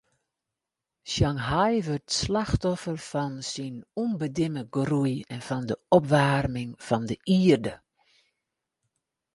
Shanghai wurdt slachtoffer fan syn ûnbedimme groei en fan de opwaarming fan de ierde.